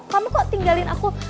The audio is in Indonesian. kamu kok tinggalin aku